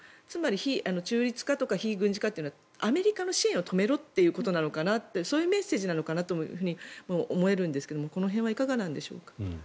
つまり、中立化と非軍事化というのはアメリカの支援を止めろということなのかなとそういうメッセージなのかなと思えるんですがいかがなんでしょうか。